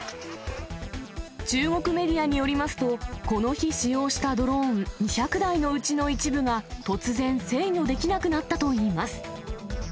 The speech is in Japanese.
中国メディアによりますと、この日、使用したドローン２００台のうちの一部が突然、制御できなくなったといいます。